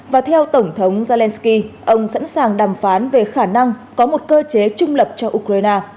và theo tổng thống zelensky ông sẵn sàng đàm phán về khả năng có một cơ chế trung lập cho ukraine